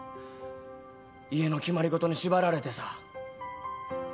家の決まり事に縛られてさ。